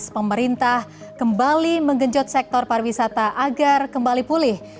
pemerintah kembali menggenjot sektor pariwisata agar kembali pulih